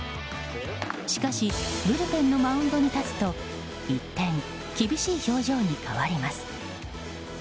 しかしブルペンのマウンドに立つと一転、厳しい表情に変わります。